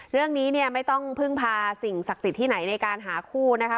เรื่องนี้เนี่ยไม่ต้องพึ่งพาสิ่งศักดิ์สิทธิ์ที่ไหนในการหาคู่นะคะ